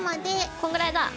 こんぐらいだ。